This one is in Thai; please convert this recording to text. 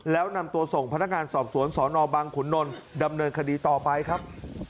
แล้วนำตัวส่งพนักงานสอบสวนสนบังขุนนลดำเนินคดีต่อไปครับ